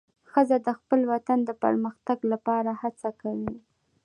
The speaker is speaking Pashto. ښځه د خپل وطن د پرمختګ لپاره هڅه کوي.